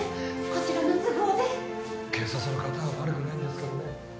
こちらの都合で警察の方は悪くないんですけどね